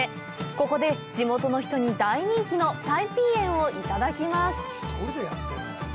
ここで地元の人に大人気の太平燕をいただきます。